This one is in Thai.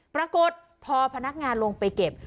ปรากฏพอพนักงานลงไปเก็บ